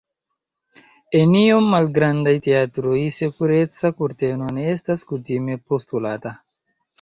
En iom malgrandaj teatroj, sekureca kurteno ne estas kutime postulata.